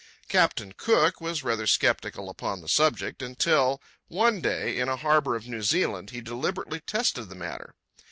Captain Cook was rather sceptical upon the subject, until, one day, in a harbour of New Zealand, he deliberately tested the matter.